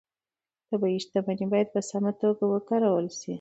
طبیعي شتمنۍ باید په سمه توګه وکارول شي